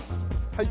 はい。